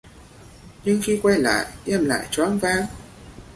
Nhưng khi quay lại em lại choáng váng